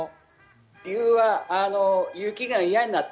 理由は、雪が嫌になった。